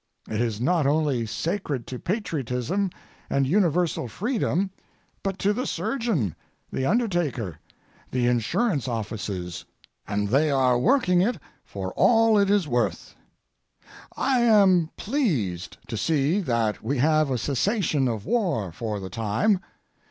It is not only sacred to patriotism and universal freedom, but to the surgeon, the undertaker, the insurance offices—and they are working it for all it is worth. I am pleased to see that we have a cessation of war for the time.